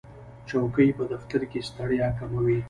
چوکۍ په دفتر کې ستړیا کموي.